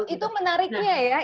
itu menariknya ya